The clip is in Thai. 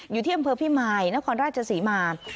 อยู่ที่บริษัทพี่มายนครราชศรีมา